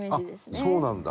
あっそうなんだ。